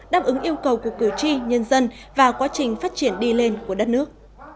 đáp ứng yêu cầu của cử tri nhân dân và quá trình phát triển đi lên của đất nước